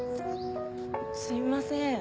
すいません